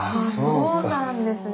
そうなんですね。